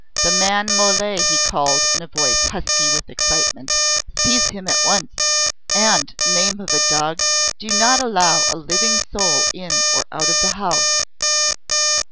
"The man Mole," he called in a voice husky with excitement. "Seize him at once! And, name of a dog! do not allow a living soul in or out of the house!"